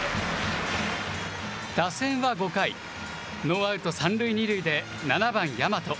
打線は５回、ノーアウト３塁２塁で７番大和。